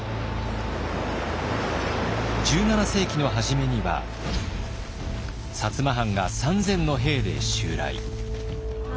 １７世紀の初めには摩藩が３，０００の兵で襲来。